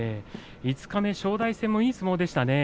五日目の正代戦もいい相撲でしたね。